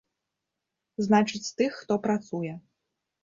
Значыць, з тых, хто працуе.